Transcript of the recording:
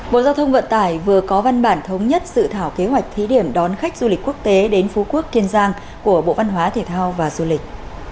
bộ giao thông vận tải vừa có văn bản thống nhất dự thảo kế hoạch thí điểm đón khách du lịch quốc tế đến phú quốc kiên giang của bộ văn hóa thể thao và du lịch